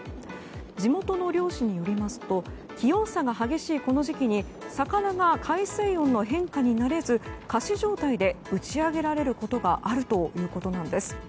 地元の漁師によりますと気温差が激しいこの時期に魚が海水温の変化に慣れず仮死状態で打ち上げられることがあるということなんです。